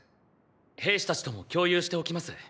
兵士たちとも共有しておきます。